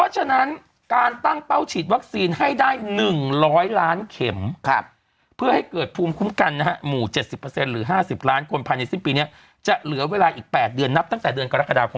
จะเหลือเวลาอีก๘เดือนนับตั้งแต่เดือนกรกฎาคม